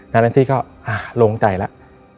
น้านแอนซีฟังก็โล่งใจแล้ว